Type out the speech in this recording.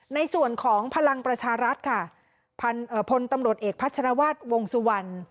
ในส่วนของพลังประชารัฐค่ะพลตำรวจเอกพัชรวาสวงสุวรรณ